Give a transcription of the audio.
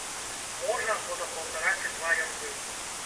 Можа, года паўтара ці два ён быў.